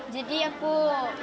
jadi aku bangga gitu